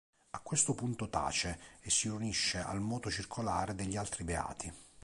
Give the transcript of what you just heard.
A questo punto tace e si riunisce al moto circolare degli altri beati.